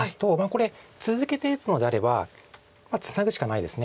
これ続けて打つのであればツナぐしかないです。